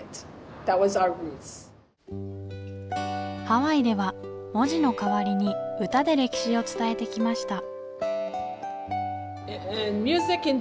ハワイでは文字の代わりに歌で歴史を伝えてきました